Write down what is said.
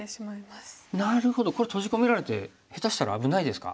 なるほどこれ閉じ込められて下手したら危ないですか？